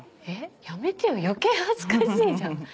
やめてよ余計恥ずかしいじゃん。